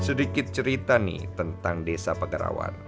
sedikit cerita nih tentang desa pegerawan